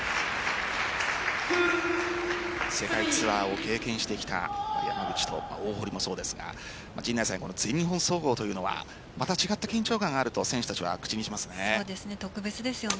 世界ツアーを経験してきた山口と大堀もそうですが陣内さん全日本総合というのはまた違った緊張感があると選手たちは口にしますね。